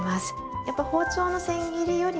やっぱ包丁のせん切りよりも。